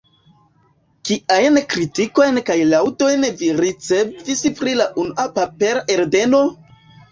Kiajn kritikojn kaj laŭdojn vi ricevis pri la unua papera eldono?